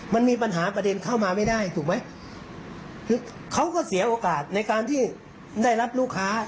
มันมีปัญหาประเด็นเข้ามาไม่ได้ถูกไหมคือเขาก็เสียโอกาสในการที่ได้รับลูกค้า